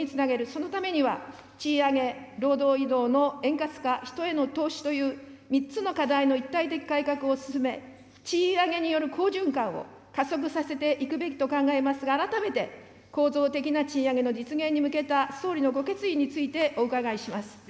そのためには、賃上げ、労働移動の円滑化、人への投資という３つの課題の一体的改革を進め、賃上げによる好循環を加速させていくべきと考えますが、改めて構造的な賃上げの実現に向けた総理のご決意についてお伺いします。